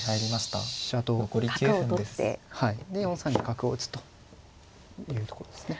で４三に角を打つというとこですね。